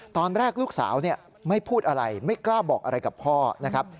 ตอนแรกลูกสาวไม่พูดอะไรไม่กล้าบอกอะไรกับพ่อนะครับ